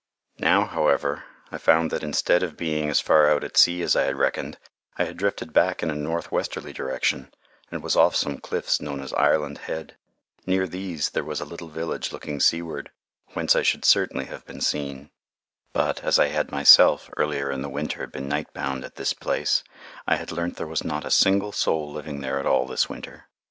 Now, however, I found that instead of being as far out at sea as I had reckoned, I had drifted back in a northwesterly direction, and was off some cliffs known as Ireland Head. Near these there was a little village looking seaward, whence I should certainly have been seen. But, as I had myself, earlier in the winter, been night bound at this place, I had learnt there was not a single soul living there at all this winter.